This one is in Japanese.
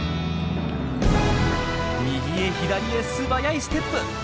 右へ左へ素早いステップ。